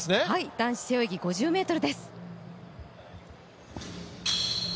男子背泳ぎ５０ｍです。